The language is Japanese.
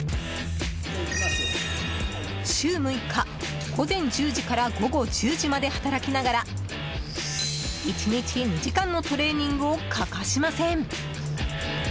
週６日、午前１０時から午後１０時まで働きながら１日２時間のトレーニングを欠かしません。